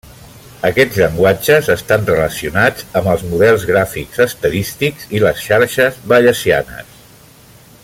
Aquests llenguatges estan relacionals amb els models gràfics estadístics i les xarxes bayesianes.